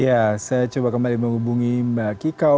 ya saya coba kembali menghubungi mbak kikau